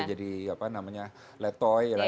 jadi apa namanya letoy